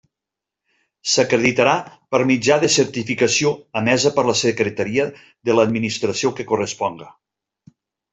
S'acreditarà per mitjà de certificació emesa per la Secretaria de l'administració que corresponga.